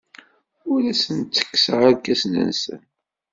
Ur asen-ttekkseɣ irkasen-nsen.